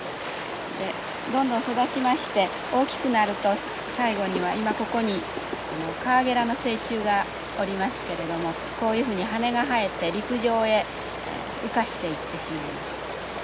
でどんどん育ちまして大きくなると最後には今ここにカワゲラの成虫がおりますけれどもこういうふうに羽が生えて陸上へ羽化していってしまいます。